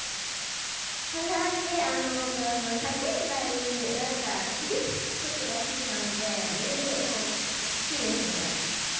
ホラー系、僕、叫んだり、なんか刺激物が好きなんで、結構好きですね。